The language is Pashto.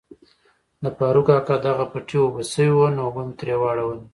د فاروق کاکا دغو پټی اوبه شوای وو نو اوبه می تري واړولي.